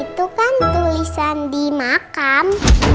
itu kan tulisan di makam